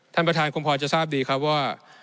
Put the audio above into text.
ท่านประธานคงพอจะทราบดีครับว่า